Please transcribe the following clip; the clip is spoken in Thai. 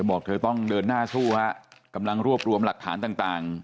บอกเธอต้องเดินหน้าสู้ฮะกำลังรวบรวมหลักฐานต่าง